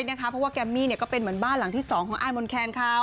เพราะว่าแกมมี่ก็เป็นเหมือนบ้านหลังที่๒ของอายมนแคนเขา